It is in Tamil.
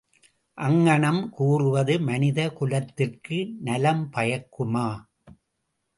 அங்ஙணம் கூறுவது மனித குலத்திற்கு நலம்பயக்குமா?